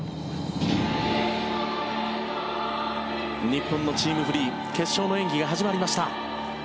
日本のチームフリー決勝の演技が始まりました。